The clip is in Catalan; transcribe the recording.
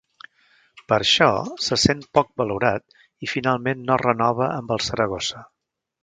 Per això, se sent poc valorat i finalment no renova amb el Saragossa.